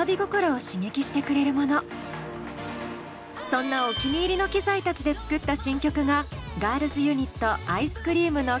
そんなお気に入りの機材たちで作った新曲がガールズユニットｉＳｃｒｅａｍの「Ｃａｔｗａｌｋ」。